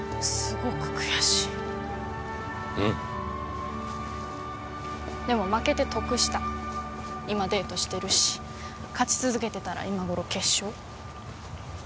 すごく悔しいうんっでも負けて得した今デートしてるし勝ち続けてたら今頃決勝？